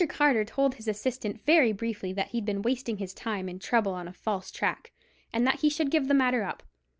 Carter told his assistant very briefly that he'd been wasting his time and trouble on a false track, and that he should give the matter up.